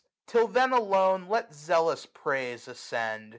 Till then alone let zealous praise ascend.